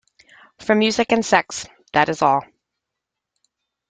For music and sex, that is all.